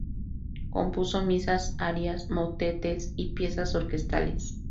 Compuso misas, arias, motetes y piezas orquestales.